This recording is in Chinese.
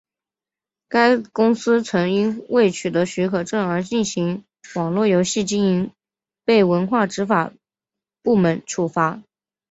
该公司曾因未取得许可证而进行网络游戏经营被文化执法部门处罚。